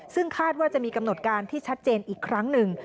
ซึ่งคาดว่าจะมีกำหนดการที่ชัดเจนอีกครั้งหนึ่ง